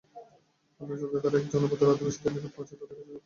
চলতে চলতে তারা এক জনপদের আধিবাসীদের নিকট পৌঁছে তাদের কাছে খাদ্য চাইলেন।